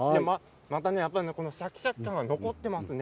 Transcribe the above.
また、シャキシャキ感が残っていますね。